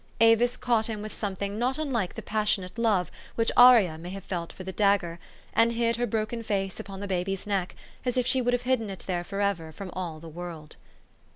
Avis caught him with something not unlike the passionate love which Arria may have felt for the dagger, and hid her broken face upon the baby's neck, as if she would have hidden it there forever from all the world.